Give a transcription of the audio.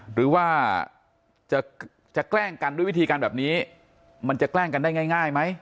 หรือว่าจะแกล้งกันด้วยวิธีการแบบนี้มันจะแกล้งกันได้ง่ายไหม